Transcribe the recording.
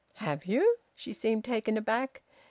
"Have you?" She seemed taken aback.